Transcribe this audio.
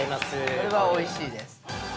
◆これはおいしいです。